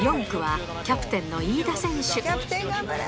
４区はキャプテンの飯田選手。